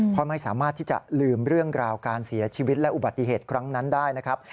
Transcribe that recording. เพราะไม่สามารถที่จะลืมเรื่องราวการเสียชีวิตและอุบัติเหตุครั้งนั้นได้นะครับ